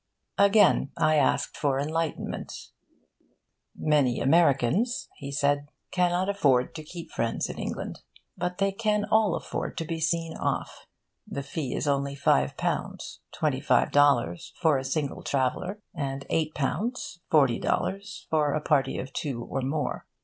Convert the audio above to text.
Again I asked for enlightenment. 'Many Americans,' he said, 'cannot afford to keep friends in England. But they can all afford to be seen off. The fee is only five pounds (twenty five dollars) for a single traveller; and eight pounds (forty dollars) for a party of two or more.